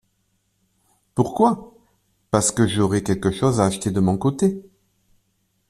Pourquoi ? Parce que j'aurai quelque chose à acheter de mon côté.